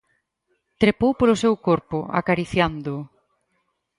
Trepou polo seu corpo, acariciándoo.